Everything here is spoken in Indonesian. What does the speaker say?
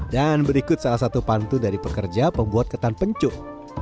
dan berikut salah satu pantun dari pekerja pembuat ketan pencuk